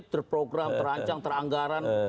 terprogram terancang teranggaran